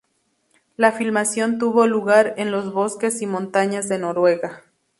La filmación tuvo lugar en los bosques y montañas de Noruega.